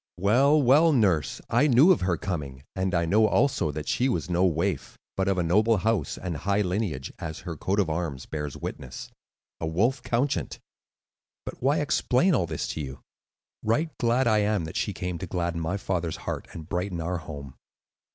"Well, well, nurse, I knew of her coming, and I know also that she was no waif, but of a noble house and high lineage, as her coat of arms bears witness,—a wolf couchant. But why explain all this to you? Right glad am I that she came to gladden my father's heart and brighten our home."